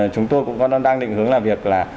chúng tôi cũng đang định hướng là việc